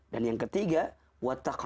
dan yang ketiga